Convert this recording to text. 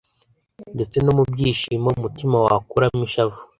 ndetse no mu byishimo, umutima wakuramo ishavu